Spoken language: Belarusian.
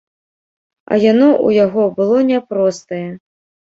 А яно ў яго было няпростае.